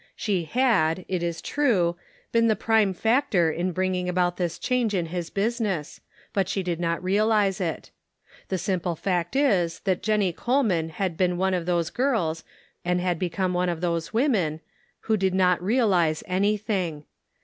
She had, it is true, been the prime factor in bringing about this change in his business; but she did not realize it. The simple fact is that Jennie Coleman had been one of those girls, and had become one of those women, who do not realize anything.